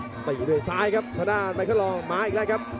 ตีด้วยซ้ายครับทางด้านไมเคิลลองมาอีกแล้วครับ